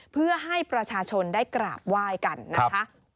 เพื่อให้ประชาชนได้กราบไหว้กันนะคะ